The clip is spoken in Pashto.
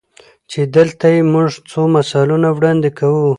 چې دلته ئې مونږ څو مثالونه وړاندې کوو-